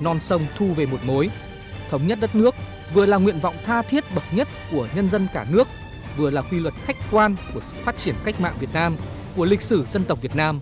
non sông thu về một mối thống nhất đất nước vừa là nguyện vọng tha thiết bậc nhất của nhân dân cả nước vừa là quy luật khách quan của sự phát triển cách mạng việt nam của lịch sử dân tộc việt nam